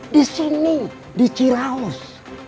di sini di ciraus